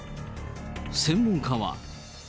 専門家は。